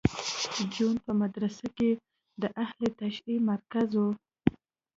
جون په مدرسه کې د اهل تشیع مرکز و